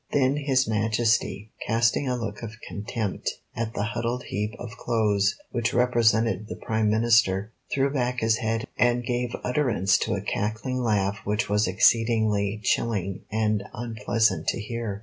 Then his Majesty, casting a look of contempt at the huddled heap of clothes which represented the Prime Minister, threw back his head and gave utterance to a cackling laugh which was exceedingly chilling and unpleasant to hear.